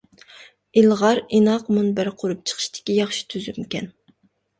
ئىلغار، ئىناق مۇنبەر قۇرۇپ چىقىشتىكى ياخشى تۈزۈمكەن.